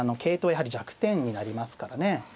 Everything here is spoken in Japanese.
やはり弱点になりますからね。